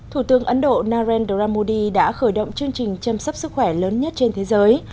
thủ tướng ấn độ narendra modi đã khởi động chương trình chăm sóc sức khỏe lớn nhất trên thế giới